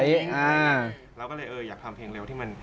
เราก็เลยเอออยากทำเพลงเร็วที่มัน